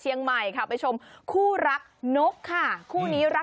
อยู่